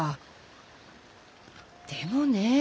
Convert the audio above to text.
でもねえ。